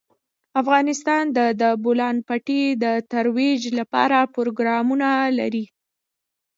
افغانستان د د بولان پټي د ترویج لپاره پروګرامونه لري.